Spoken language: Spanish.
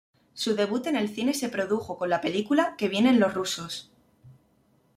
Su debut en el cine se produjo con la película "¡Que vienen los rusos!